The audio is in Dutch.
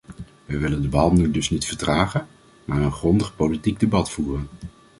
Wij willen de behandeling dus niet vertragen, maar een grondiger politiek debat voeren.